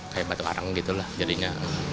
kayak batu arang gitu lah jadinya